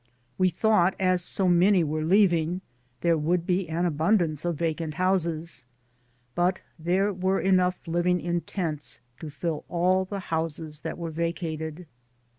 We thought as so many were leaving there would be an abundance of vacant houses, but there were enough living in tents to fill all the houses that were vacated.